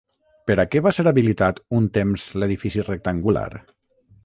Per a què va ser habilitat un temps l'edifici rectangular?